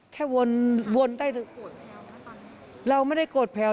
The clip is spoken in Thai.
แค่วนได้เราไม่ได้โกรธแพลว